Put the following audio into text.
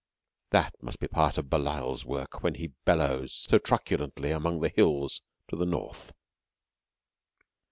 That must be part of Belial's work when he bellows so truculently among the hills to the north.